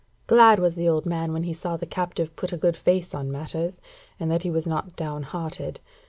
Glad was the old man when he saw the captive put a good face on matters, and that he was not down hearted.